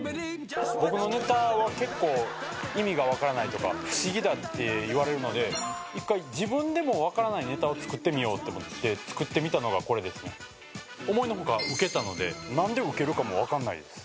僕のネタは結構意味が分からないとか不思議だって言われるので一回自分でも分からないネタを作ってみようって思って作ってみたのがこれですね思いのほかウケたので何でウケるかも分かんないです